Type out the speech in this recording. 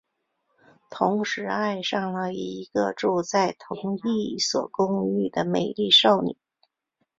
同时爱上了一个住在同一所公寓的美丽少女。